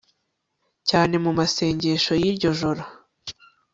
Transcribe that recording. cyane mu masengesho y'iryo joro. obi